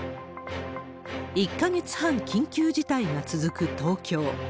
１か月半、緊急事態が続く東京。